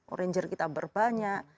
oranger kita berbanyak